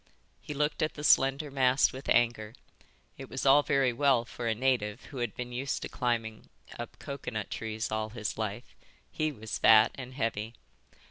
He looked at the slender mast with anger. It was all very well for a native who had been used to climbing up coconut trees all his life. He was fat and heavy.